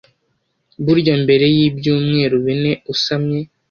Burya mbere y’ibyumweru bine usamye